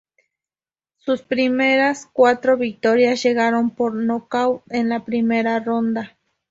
Sus primeras cuatro victorias llegaron por nocaut en la primera ronda.